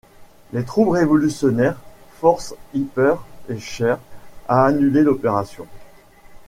Les troubles révolutionnaires forcent Hipper et Scheer à annuler l'opération.